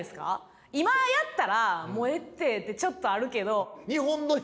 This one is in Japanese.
今やったら「もうええって」ってちょっとあるけど。